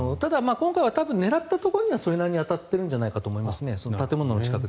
ただ、今回は狙ったところにはそれなりに当たっているんじゃないかと思います。